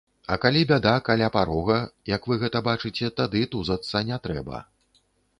А калі бяда каля парога, як вы гэта бачыце, тады тузацца не трэба.